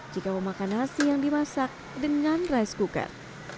jika memakan nasi yang dimasak dengan rice cooker